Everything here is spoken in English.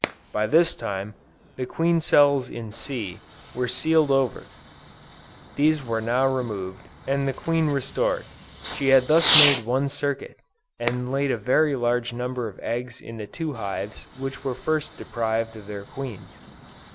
By this time, the queen cells in C, were sealed over; these were now removed, and the queen restored; she had thus made one circuit, and laid a very large number of eggs in the two hives which were first deprived of their queens.